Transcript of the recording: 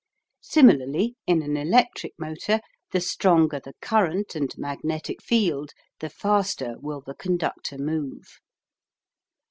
Similarly in an electric motor, the stronger the current and magnetic field the faster will the conductor move.